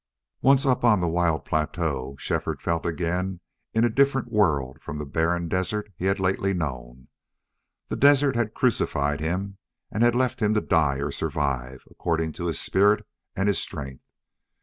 Once up on the wild plateau, Shefford felt again in a different world from the barren desert he had lately known. The desert had crucified him and had left him to die or survive, according to his spirit and his strength.